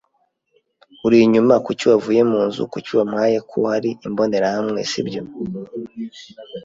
uri inyuma, kuki wavuye munzu, kuki wampaye ko hari imbonerahamwe, sibyo